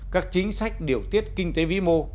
các chính sách điều tiết kinh tế vĩ mô